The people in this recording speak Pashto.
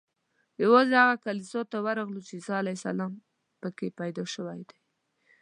یوازې هغه کلیسا ته ورغلو چې عیسی علیه السلام په کې پیدا شوی دی.